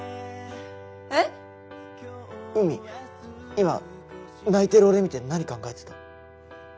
今泣いてる俺見て何考えてた？